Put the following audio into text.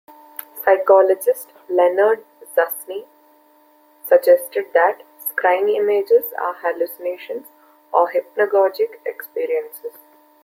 Psychologist Leonard Zusne suggested that scrying images are hallucinations or hypnagogic experiences.